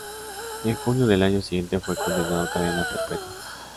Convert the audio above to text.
En junio del año siguiente fue condenado a cadena perpetua.